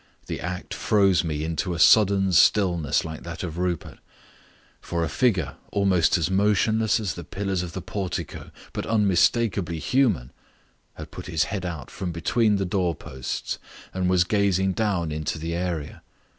The act froze me into a sudden stillness like that of Rupert, for a figure almost as motionless as the pillars of the portico, but unmistakably human, had put his head out from between the doorposts and was gazing down into the area.